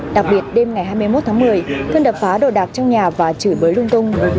đặc biệt đêm ngày hai mươi một tháng một mươi thương đập phá đồ đạc trong nhà và chửi bới lung tung